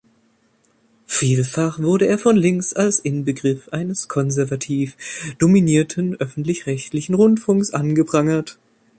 Vielfach wurde er von links als Inbegriff eines konservativ dominierten öffentlich-rechtlichen Rundfunks angeprangert.